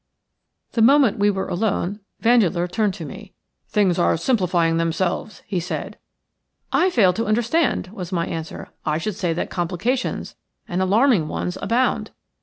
The moment we were alone Vandeleur turned to me. "Things are simplifying themselves," he said. "I fail to understand," was my answer. "I should say that complications, and alarming ones, abound."